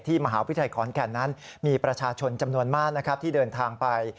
ที่มหาวิทัยขอนแก่นนั้นมีประชาชนจำนวนมากที่เดินทางไป